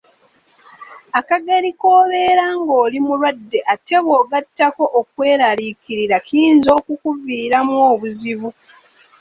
Akageri k'obeera ng'oli mulwadde ate bw'ogattako okweraliikirira kiyinza okukuviiramu obuzibu.